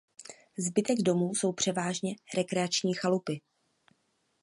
Zbytek domů jsou převážně rekreační chalupy.